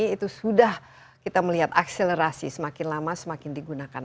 itu sudah kita melihat akselerasi semakin lama semakin digunakan